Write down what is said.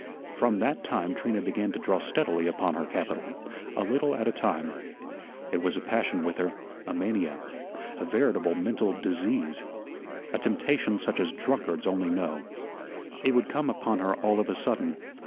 From that time Trina began to draw steadily upon her capital, a little at a time. It was a passion with her, a mania, a veritable mental disease; a temptation such as drunkards only know. It would come upon her all of a sudden.